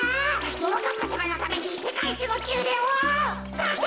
ももかっぱさまのためにせかいいちのきゅうでんをつくるってか！